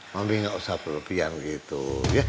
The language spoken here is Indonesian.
mamih gak usah berlebihan gitu ya